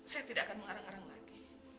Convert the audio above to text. saya tidak akan mengarang arang lagi